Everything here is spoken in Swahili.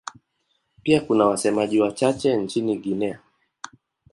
Pia kuna wasemaji wachache nchini Guinea.